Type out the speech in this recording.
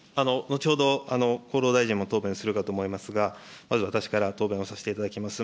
後ほど厚労大臣も答弁するかと思いますが、まず私から答弁をさせていただきます。